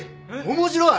面白い！